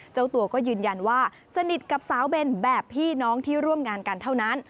เจ้าตัวก็ยืนยันว่าสนิทกับสาวเบนแบบพี่น้องที่ร่วมงานกันเท่านั้น